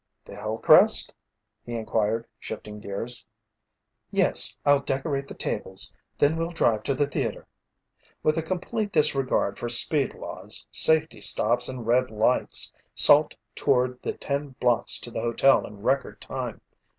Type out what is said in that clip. "The Hillcrest?" he inquired, shifting gears. "Yes, I'll decorate the tables. Then we'll drive to the theater." With a complete disregard for speed laws, safety stops, and red lights, Salt toured the ten blocks to the hotel in record time.